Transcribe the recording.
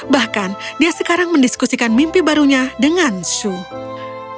bahkan dia sekarang mendiskusikan mimpi barunya dengan shoo